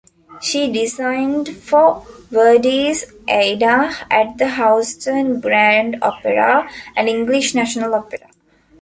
She designed for Verdi's "Aida" at the Houston Grand Opera and English National Opera.